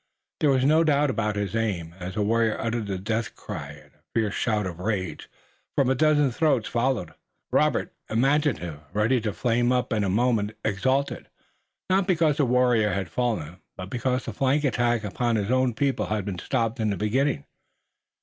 There was no doubt about his aim, as a warrior uttered the death cry, and a fierce shout of rage from a dozen throats followed. Robert, imaginative, ready to flame up in a moment, exulted, not because a warrior had fallen, but because the flank attack upon his own people had been stopped in the beginning.